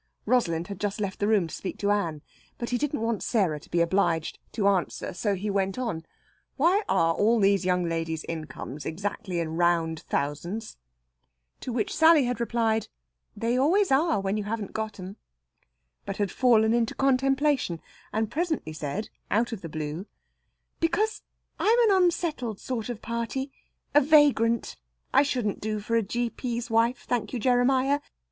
Rosalind had just left the room to speak to Ann. But he didn't want Sarah to be obliged to answer, so he went on: "Why are all these young ladies' incomes exactly in round thousands?" To which Sally had replied: "They always are, when you haven't got 'em." But had fallen into contemplation, and presently said out of the blue "Because I'm an unsettled sort of party a vagrant. I shouldn't do for a G.P.'s wife, thank you, Jeremiah!